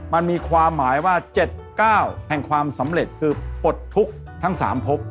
มันมีความหมายว่าเจ็ดเก้าแห่งความสำเร็จคือปลดทุกข์ทั้งสามพก